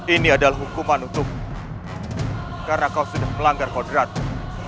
ini adalah hukuman untukmu karena kau sudah melanggar kodratmu